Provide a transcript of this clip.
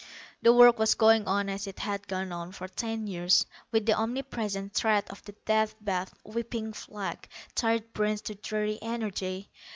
The work was going on as it had gone on for ten years, with the omnipresent threat of the Death Bath whipping flagged, tired brains to dreary energy.